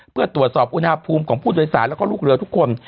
เพื่อตรวจสอบอุณหภูมิของผู้โดยสารแล้วก็ลูกเรือทุกคน